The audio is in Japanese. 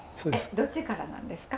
どっちからなんですか？